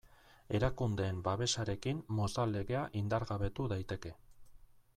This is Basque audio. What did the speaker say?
Erakundeen babesarekin Mozal Legea indargabetu daiteke.